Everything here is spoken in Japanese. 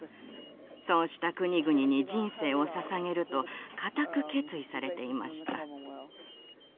そうした国々に人生をささげると固く決意されていました。